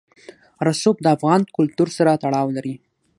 رسوب د افغان کلتور سره تړاو لري.